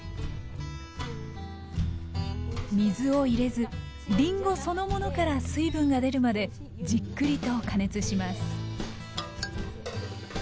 水を入れずりんごそのものから水分が出るまでじっくりと加熱します